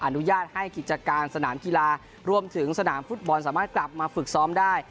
อนุญาตให้กิจการสนามกีฬารวมถึงสนามฟุตบอลสามารถกลับมาฝึกซ้อมได้